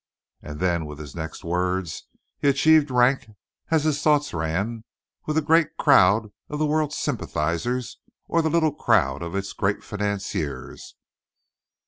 And then with his next words he achieved rank (as his thoughts ran) with either the great crowd of the world's sympathizers or the little crowd of its great financiers.